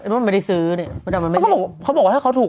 มันไม่ได้ซื้อเนี่ย